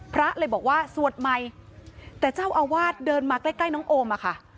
พระเลยบอกว่าสวดใหม่แต่เจ้าอาวาสเดินมาใกล้น้องโอมอะค่ะ